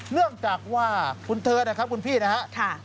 เนื่องจากว่าคุณเธอนะครับคุณพี่นะครับ